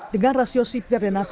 dengan rasio sipir dan natuna